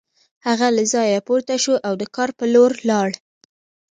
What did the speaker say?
هغه له ځایه پورته شو او د کار په لور لاړ